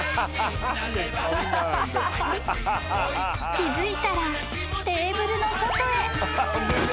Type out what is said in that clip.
［気付いたらテーブルの外へ］